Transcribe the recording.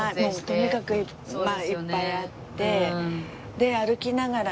とにかくいっぱいあって。